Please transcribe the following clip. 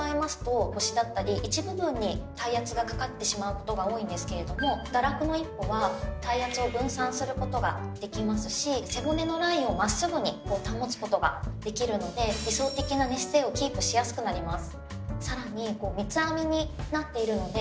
この抱き枕は話を伺ったのは睡眠のプロ堕落の一歩は体圧を分散する事ができますし背骨のラインをまっすぐに保つ事ができるので理想的な寝姿勢をキープしやすくなります